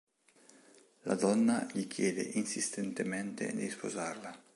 La donna gli chiede insistentemente di sposarla.